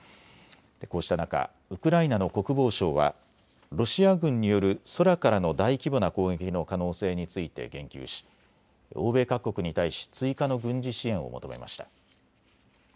こうした中、ウクライナの国防相はロシア軍による空からの大規模な攻撃の可能性について言及し、欧米各国に対し追加の軍事支援を求めました。